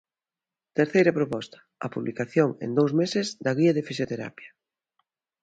Terceira proposta: a publicación, en dous meses, da guía de fisioterapia.